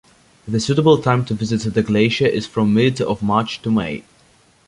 The suitable time to visit the glacier is from mid of March to May.